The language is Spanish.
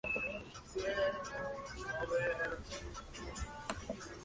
Sus libros han sido traducidos a cerca una docena de idiomas.